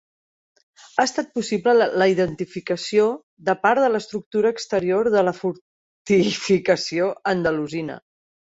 Ha estat possible la identificació de part de l'estructura exterior de la fortificació andalusina.